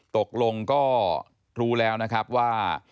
ตกลงก็รู้แล้วนะครับว่า